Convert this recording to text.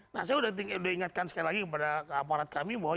nah saya sudah ingatkan sekali lagi kepada aparat kami bahwa